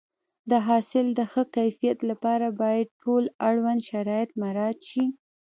د حاصل د ښه کیفیت لپاره باید ټول اړوند شرایط مراعات شي.